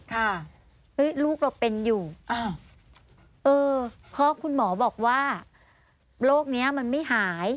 ค่ะหึ้ยลูกเราเป็นอยู่เออคุณหมอบอกว่าโรคนี้มันไม่หาย